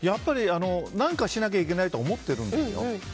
何かしなきゃいけないと思っているんですよ。